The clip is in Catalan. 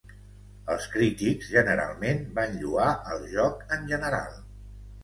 Els crítics generalment van lloar el joc en general.